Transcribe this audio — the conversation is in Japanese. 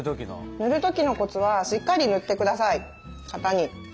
塗る時のコツはしっかり塗ってください型に。